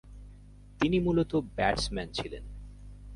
তিনি মূলতঃ ব্যাটসম্যান ছিলেন।